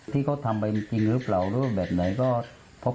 พี่เขาทำไปจริงหรือเปล่าหรือทุกอย่างแห่งแห่งแบบ